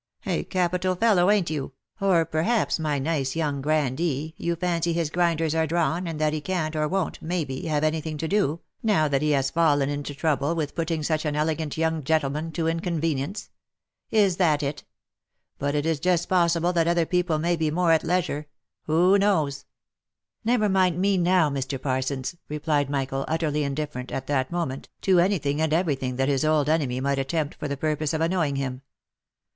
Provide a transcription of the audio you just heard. A capital fellow, ain't you ? or, perhaps, my nice young grandee, you fancy his grinders are drawn, and that he can't, or won't, maybe, have any thing to do, now that he has fallen into trouble, with putting such an elegant young gentleman to inconvenience ? Is that it? But it is just possible that other people may be more at leisure. Who knows V " Never mind me now, Mr. Parsons," replied Michael, utterly in different, at that moment, to any thing, and every thing, that his old enemy might attempt for the purpose of annoying him.